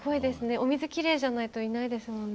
お水きれいじゃないといないですもんね。